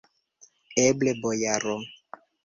Eble, bojaro!